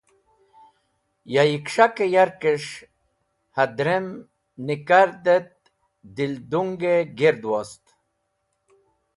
Ya yiks̃hak-e yarkes̃h hadrem nikardet dilgung-e gird wost.